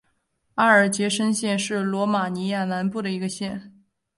阿尔杰什县是罗马尼亚南部的一个县。